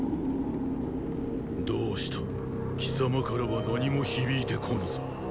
どうした貴様からは何も響いて来ぬぞ。